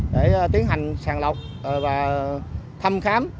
để tiến hành sàn lọc và thăm khám